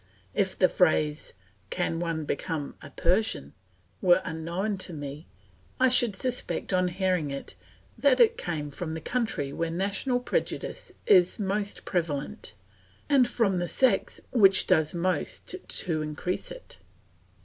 If the phrase, "Can one become a Persian," were unknown to me, I should suspect on hearing it that it came from the country where national prejudice is most prevalent and from the sex which does most to increase it.